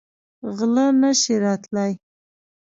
غله نه شي راتلی.